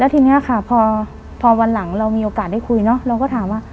ทีนี้ค่ะพอวันหลังเรามีโอกาสได้คุยเนอะเราก็ถามว่า